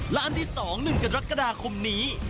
ร้านที่สองหนึ่งกันรักษณะคมนี้